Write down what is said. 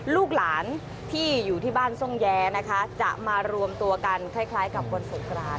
ลูกหลานที่อยู่ที่บ้านทรงแย้นะคะจะมารวมตัวกันคล้ายกับวันสงคราน